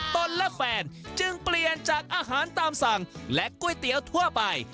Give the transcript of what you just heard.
ตนและแฟนจึงเปลี่ยนจากอาหารตามสั่งและก๋วยเตี๋ยวทั่วไป